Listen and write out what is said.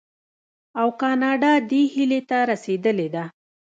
او کاناډا دې هیلې ته رسیدلې ده.